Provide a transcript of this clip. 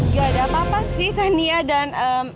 gak ada apa apa sih tania dan